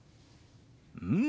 うん！